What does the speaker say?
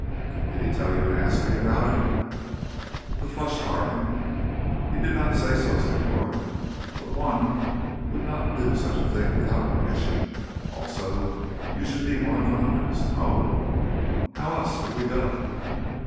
"Did he tell you to ask me about it?" The flush darkened. "He did not say so, señor. But one would not do such a thing without permission. Also, you should be one of the hunters, no? How else could we go?"